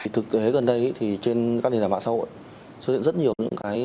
thực tế gần đây thì trên các điện tài mạng xã hội xây dựng rất nhiều những cái